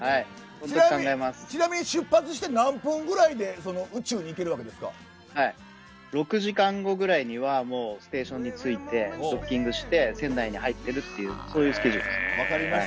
ちなみに出発して何分ぐらい６時間後ぐらいには、もうステーションに着いて、ドッキングして、船内に入ってるっていう、そういうスケジュールです。